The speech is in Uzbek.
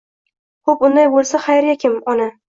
Xo'p, unday bo'lsa, Xayriya kim, ona?